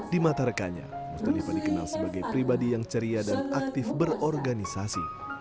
di mata rekannya mustalifah dikenal sebagai pribadi yang ceria dan aktif berorganisasi